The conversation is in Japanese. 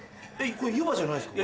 これ湯葉じゃないんですか？